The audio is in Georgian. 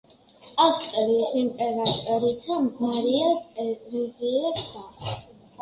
ავსტრიის იმპერატრიცა მარია ტერეზიას და.